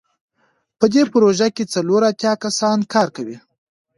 په دې پروژه کې څلور اتیا کسان کار کوي.